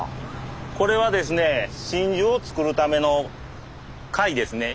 これはですね真珠を作るための貝ですね。